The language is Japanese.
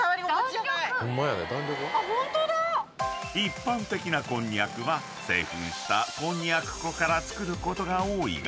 ［一般的なこんにゃくは製粉したこんにゃく粉から作ることが多いが］